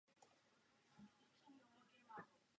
V jiném ohledu však stroj dokázal překvapit.